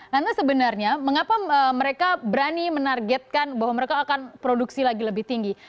lantas sebenarnya mengapa mereka berani menargetkan bahwa mereka akan produksi lagi lebih tinggi